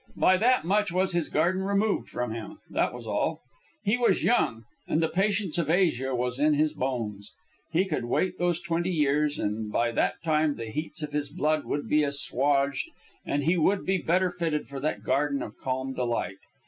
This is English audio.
By that much was his garden removed from him that was all. He was young, and the patience of Asia was in his bones. He could wait those twenty years, and by that time the heats of his blood would be assuaged and he would be better fitted for that garden of calm delight.